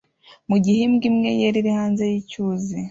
Mugihe imbwa imwe yera iri hanze yicyuzi